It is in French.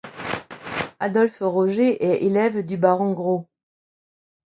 Adolphe Roger est élève du baron Gros.